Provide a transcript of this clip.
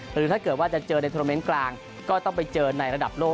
หรือถ้าเกิดว่าจะเจอในโทรเมนต์กลางก็ต้องไปเจอในระดับโลก